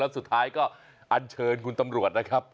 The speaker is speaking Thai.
สุดท้ายก็อันเชิญคุณตำรวจนะครับ